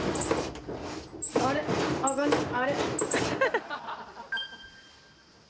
あれ？